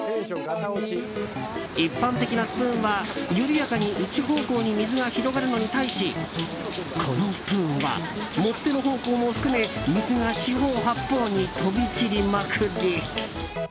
一般的なスプーンは、緩やかに一方向に水が広がるのに対しこのスプーンは持ち手の方向も含め水が四方八方に飛び散りまくり。